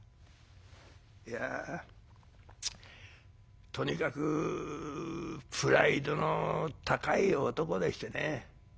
「いやとにかくプライドの高い男でしてね。